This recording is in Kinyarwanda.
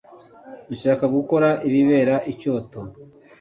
Ndashaka gukora ibibera i Kyoto.